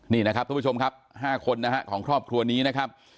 นี่นะครับทุกผู้ชมครับ๕คนนะฮะของครอบครัวนี้นะครับ